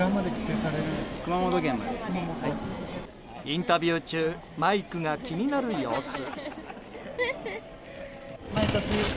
インタビュー中マイクが気になる様子。